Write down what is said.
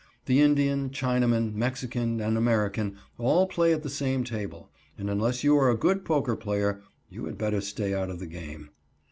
The Indian, Chinaman, Mexican and American all play at the same table, and unless you are a good poker player you had better stay out of the game.